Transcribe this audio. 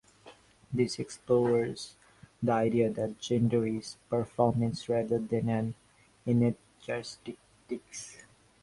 This explores the idea that gender is performance rather than an innate characteristic.